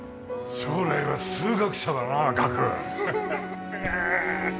将来は数学者だな岳